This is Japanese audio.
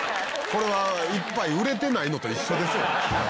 「これは１杯売れてないのと一緒ですよ」